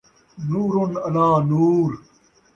نورٌ علیٰ نور